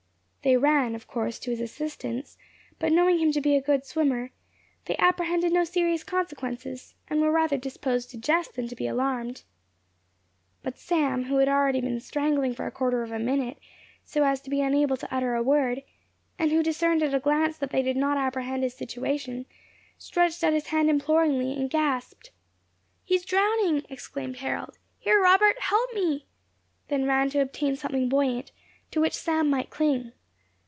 They ran, of course, to his assistance, but knowing him to be a good swimmer, they apprehended no serious consequences, and were rather disposed to jest than to be alarmed. But Sam, who had been already strangling for a quarter of a minute, so as to be unable to utter a word, and who discerned at a glance that they did not apprehend his situation, stretched out his hand imploringly, and gasped. "He is drowning!" exclaimed Harold. "Here, Robert, help me!" then ran to obtain something buoyant, to which Sam might cling.